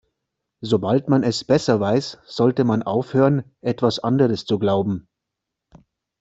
Sobald man es besser weiß, sollte man aufhören, etwas anderes zu glauben.